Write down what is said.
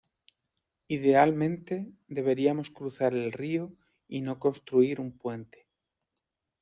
Idealmente, deberíamos cruzar el río y no construir un puente.